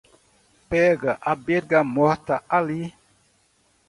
Pega a bergamota ali